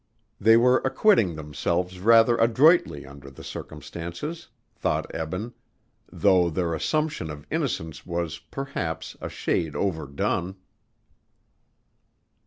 They were acquitting themselves rather adroitly, under the circumstances, thought Eben, though their assumption of innocence was, perhaps, a shade overdone.